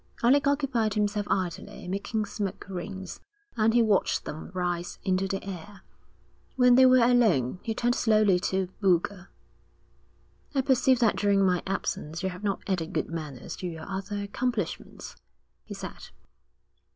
Alec occupied himself idly in making smoke rings, and he watched them rise into the air. When they were alone he turned slowly to Boulger. 'I perceive that during my absence you have not added good manners to your other accomplishments,' he said.